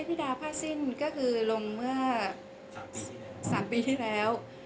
เทพฤดาภาษินก็คือลงเมื่อ๓ปีที่แล้ว